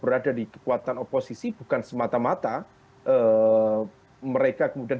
berada di kekuatan oposisi bukan semata mata mereka berbuka puasa dari oltok dan kekuasaan